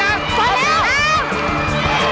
หมดแล้ว